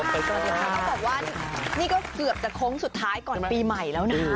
ต้องบอกว่านี่ก็เกือบจะโค้งสุดท้ายก่อนปีใหม่แล้วนะ